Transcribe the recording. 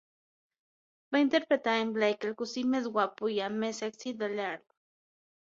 Va interpretar a en Blake, el cosí més guapo i amb més èxit de l'Earl.